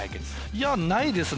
いやないですね。